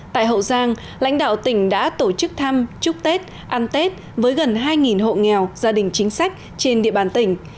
tại hậu giang lãnh đạo tỉnh đã tổ chức thăm chúc tết ăn tết với gần hai hộ nghèo gia đình chính sách trên địa bàn tỉnh